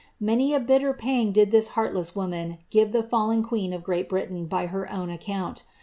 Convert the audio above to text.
Many a bitter pang did this heartless woman give !ea of Great Britain by her own account.